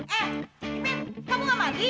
eh gimana kamu gak mandi